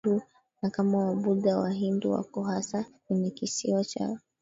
Wahindu na kama Wabuddha Wahindu wako hasa kwenye kisiwa cha